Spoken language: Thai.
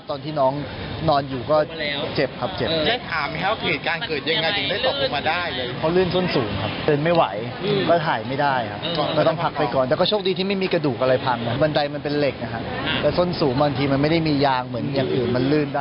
ตอนนี้ออกจากโรงพยาบาลแล้ว